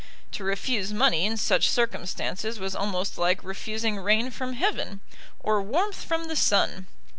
To refuse money in such circumstances was almost like refusing rain from heaven, or warmth from the sun.